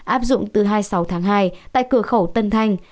áp dụng từ hai mươi sáu tháng hai tại cửa khẩu tân thanh